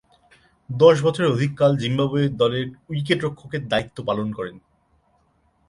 দশ বছরের অধিককাল জিম্বাবুয়ে দলের উইকেট-রক্ষকের দায়িত্ব পালন করেন।